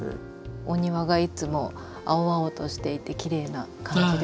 お庭がいつも青々としていてきれいな感じです。